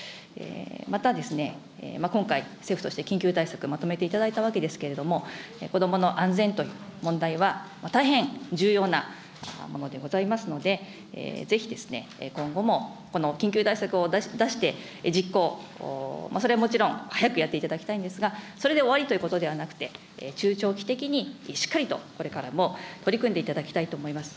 また今回、政府として緊急対策をまとめていただいたわけですけれども、子どもの安全という問題は、大変重要なものでございますので、ぜひ今後もこの緊急対策を出して、実行、それはもちろん早くやっていただきたいんですが、それで終わりということではなくて、中長期的にしっかりとこれからも取り組んでいただきたいと思います。